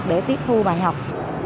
để tiết thu bài học